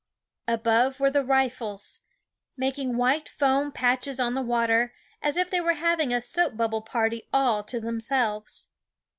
Above were the riffles, making white foam patches of the water, as if they were having a soap bubble party all to themselves.